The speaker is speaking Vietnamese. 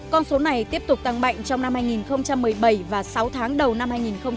con số này tiếp tục tăng mạnh trong năm hai nghìn một mươi bảy và sáu tháng đầu năm hai nghìn một mươi chín